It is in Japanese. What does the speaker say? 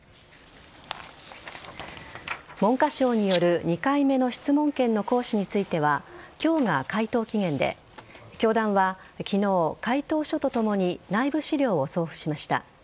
文科省による２回目の質問権の行使については今日が回答期限で教団は昨日回答書とともに内部資料を送付しました。